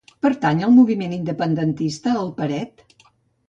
Pertany al moviment independentista el Peret?